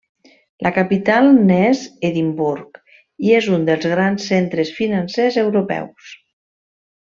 La capital n'és Edimburg, i és un dels grans centres financers europeus.